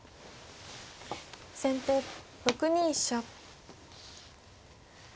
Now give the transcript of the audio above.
先手６二飛車。